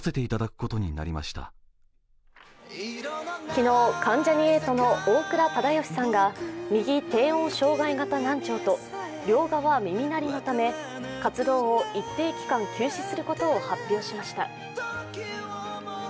昨日関ジャニ∞の大倉忠義さんが右低音障害型難聴と両側耳鳴りのため活動を一定期間、休止することを発表しました。